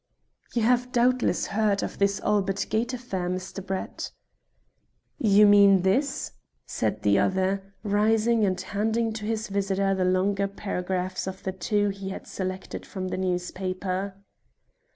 "You have doubtless heard of this Albert Gate affair, Mr. Brett?" "You mean this?" said the other, rising and handing to his visitor the longer paragraph of the two he had selected from the newspaper.